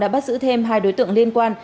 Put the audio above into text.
đã bắt giữ thêm hai đối tượng liên quan